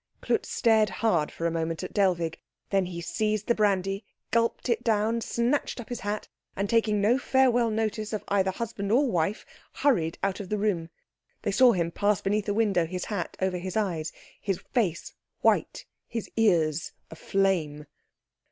Klutz stared hard for a moment at Dellwig. Then he seized the brandy, gulped it down, snatched up his hat, and taking no farewell notice of either husband or wife, hurried out of the room. They saw him pass beneath the window, his hat over his eyes, his face white, his ears aflame.